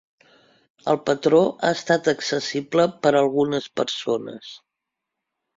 El patró ha estat accessible per a algunes persones.